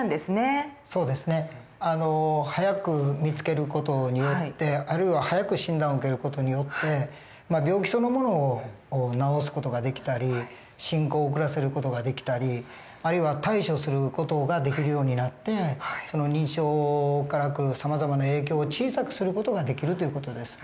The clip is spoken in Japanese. そうですね。早く見つける事によってあるいは早く診断を受ける事によって病気そのものを治す事ができたり進行を遅らせる事ができたりあるいは対処する事ができるようになって認知症からくるさまざまな影響を小さくする事ができるという事です。